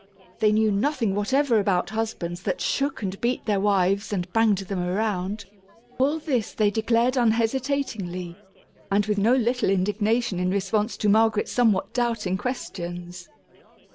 They knew nothing whatever about husbands that shook and beat their wives and banged them around. All this they declared unhesitatingly, and with no little indignation in response to Margaret's somewhat doubting questions.